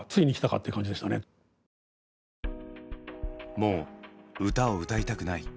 「もう歌を歌いたくない」。